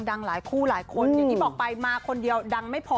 ดังหลายคู่หลายคนอย่างที่บอกไปมาคนเดียวดังไม่พอ